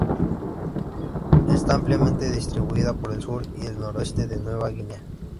Está ampliamente distribuida por el sur y el noreste de Nueva Guinea.